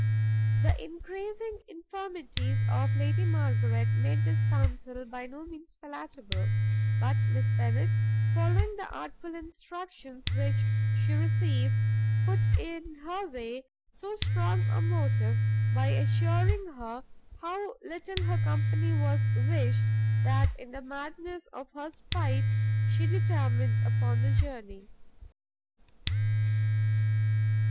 The encreasing infirmities of Lady Margaret made this counsel by no means palatable: but Miss Bennet, following the artful instructions which she received, put in her way so strong a motive, by assuring her how little her company was wished, that in the madness of her spite she determined upon the journey.